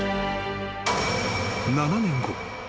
［７年後。